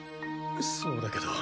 そうだけど。